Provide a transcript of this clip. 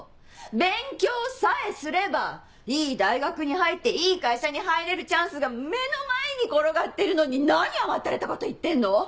勉強さえすればいい大学に入っていい会社に入れるチャンスが目の前に転がってるのに何甘ったれたこと言ってんの？